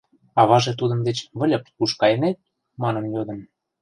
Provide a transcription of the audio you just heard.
Аваже тудын деч «Выльып, куш кайынет?» манын йодын.